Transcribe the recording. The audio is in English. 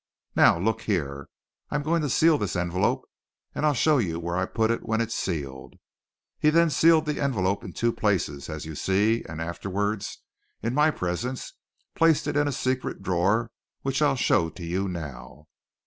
Now look here, I'm going to seal this envelope, and I'll show you where I put it when it's sealed.' He then sealed the envelope in two places, as you see, and afterwards, in my presence, placed it in a secret drawer, which I'll show to you now.